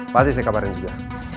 pasti saya kabarin juga